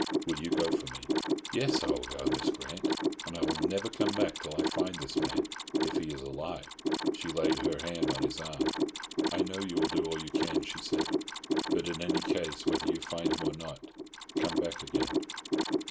Will you go for me?" "Yes. I will go, Miss Grant; and I will never come back till I find this man—if he is alive." She laid her hand on his arm. "I know you will do all you can," she said, "but in any case, whether you find him or not—come back again!"